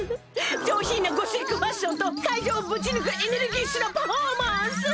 上品なゴシックファッションと会場をぶち抜くエネルギッシュなパフォーマンス！